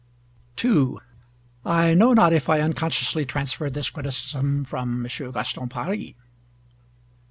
I know not if I unconsciously transferred this criticism from M. Gaston Paris.